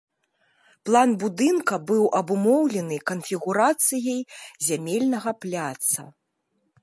План будынка быў абумоўлены канфігурацыяй зямельнага пляца.